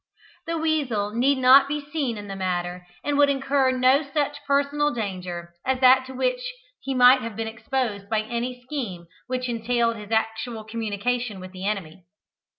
The weasel need not be seen in the matter, and would incur no such personal danger as that to which he might have been exposed by any scheme which entailed his actual communication with the enemy.